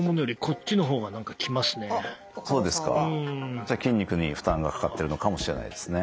じゃ筋肉に負担がかかってるのかもしれないですね。